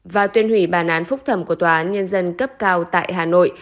và tuyên hủy bản án phúc thẩm của tòa án nhân dân cấp cao tại hà nội